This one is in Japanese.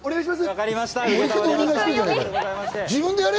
分かりました。